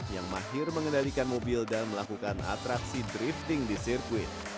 yang mahir mengendalikan mobil dan melakukan atraksi drifting di sirkuit